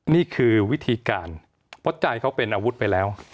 นี่คือวิธีการเพราะใจเขาเป็นอาวุธไปแล้ว